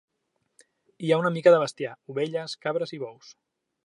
Hi ha una mica de bestiar: ovelles, cabres i bous.